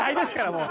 もう。